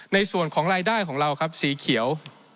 ในส่วนของรายได้ของเราครับสีเขียว